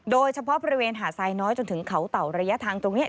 โดยเฉพาะบริเวณหาดทรายน้อยจนถึงเขาเต่าระยะทางตรงนี้